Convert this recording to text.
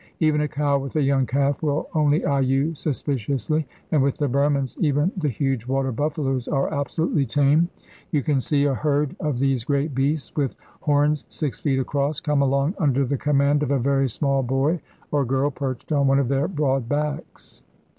Even a cow with a young calf will only eye you suspiciously; and with the Burmans even the huge water buffaloes are absolutely tame. You can see a herd of these great beasts, with horns six feet across, come along under the command of a very small boy or girl perched on one of their broad backs.